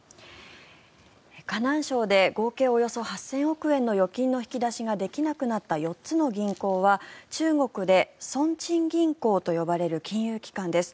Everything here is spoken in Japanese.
河南省で合計およそ８０００億円の預金の引き出しができなくなった４つの銀行は中国で村鎮銀行といわれる金融機関です。